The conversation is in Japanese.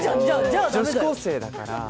女子高生だから。